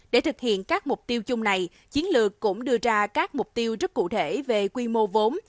để thực hiện các mục tiêu chung này chiến lược cũng đưa ra các mục tiêu rất cụ thể về quy mô vốn